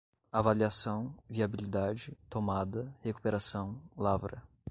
avaliação, viabilidade, tomada, recuperação, lavra